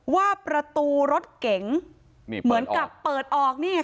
ว่าประตูรถเก๋งเหมือนกับเปิดออกนี่ไง